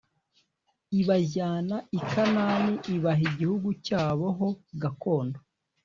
ibajyana i Kanani ibaha igihugu cyabo ho gakondo